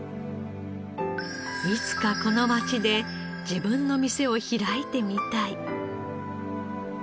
いつかこの街で自分の店を開いてみたい。